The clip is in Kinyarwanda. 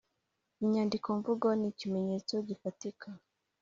inyandikomvugo nikimenyetso gifatika